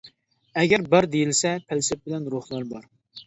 ئەگەر بار دېيىلسە پەلسەپە بىلەن روھلا بار.